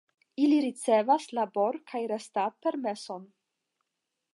Ili ricevas labor- kaj restad-permeson.